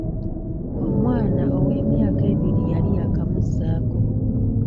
Omwana ow'emyaka ebiri yali yakamuzaako.